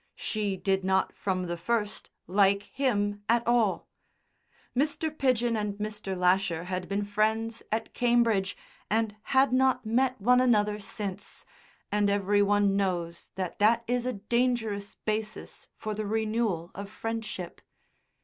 She did not from the first like him at all. Mr. Pidgen and Mr. Lasher had been friends at Cambridge and had not met one another since, and every one knows that that is a dangerous basis for the renewal of friendship.